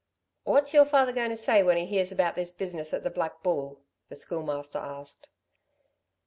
"What's your father going to say when he hears about this business at the Black Bull," the Schoolmaster asked.